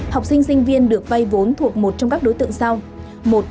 học sinh sinh viên được vay vốn thuộc một trong các đối tượng sau